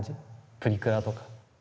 プリクラとか。